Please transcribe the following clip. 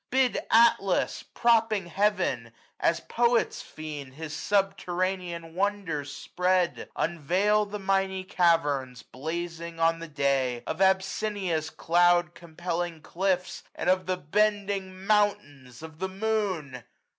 795 Bid Atlas, propping heaven, as poets feign. His subterranean wonders spread ; unveil The miny caverns, blazing on the day. Of Abyssinia's cloud compelling cliffs. And of the bending Mountains of the Moon